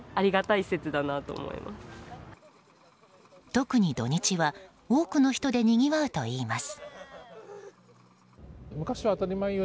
特に土日は多くの人でにぎわうといいます。